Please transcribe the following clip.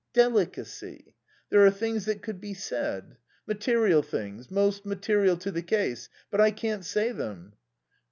Delicacy. There are things that could be said. Material things most material to the case. But I can't say them."